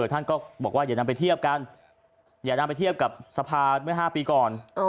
ท่านก็บอกว่าอย่านำไปเทียบกันอย่านำไปเทียบกับสภาเมื่อ๕ปีก่อน